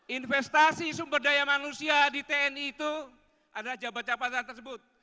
investasi sumber daya manusia di tni itu adalah jabatan jabatan tersebut